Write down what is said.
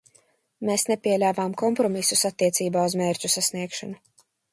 Mēs nepieļāvām kompromisus attiecībā uz mērķu sasniegšanu.